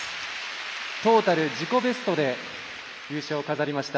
トータル自己ベストで優勝を飾りました。